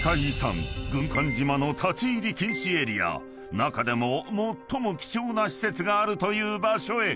［中でも最も貴重な施設があるという場所へ］